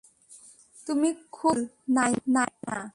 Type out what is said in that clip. তুমি খুব কুল, নায়না।